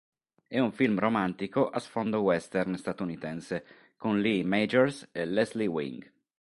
È un film romantico a sfondo western statunitense con Lee Majors e Leslie Wing.